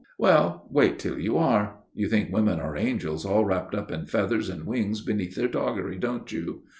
Well, wait till you are. You think women are angels all wrapped up in feathers and wings beneath their toggery, don't you?